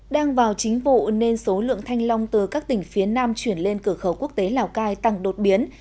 đang vào chính vụ nên số lượng thanh long từ các tỉnh phía nam chuyển lên cửa khẩu quốc tế lào cai tăng đột biến